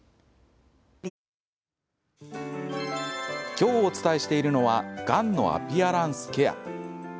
今日お伝えしているのはがんのアピアランスケア。